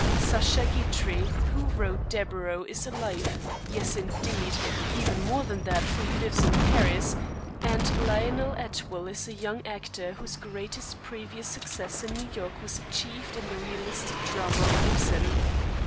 Sacha Guitry, who wrote Deburau, is alive; yes, indeed, even more than that, for he lives in Paris, and Lionel Atwill is a young actor whose greatest previous success in New York was achieved in the realistic drama of Ibsen.